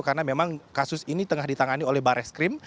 karena memang kasus ini tengah ditangani oleh bareskrim